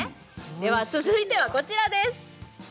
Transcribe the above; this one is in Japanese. では続いてはこちらです